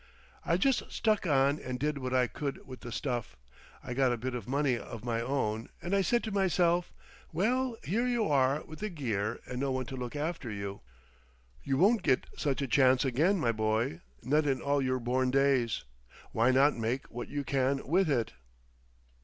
"I just stuck on and did what I could with the stuff. I got a bit of money of my own—and I said to myself, 'Well, here you are with the gear and no one to look after you. You won't get such a chance again, my boy, not in all your born days. Why not make what you can with it?